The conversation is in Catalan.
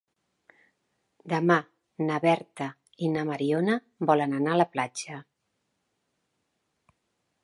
Demà na Berta i na Mariona volen anar a la platja.